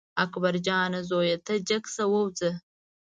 اکبر جانه زویه ته جګ شه ووځه.